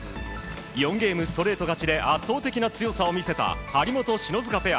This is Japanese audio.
４ゲームストレート勝ちで圧倒的な強さを見せた張本、篠塚ペア。